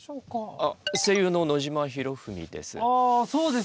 あ声優の野島裕史です。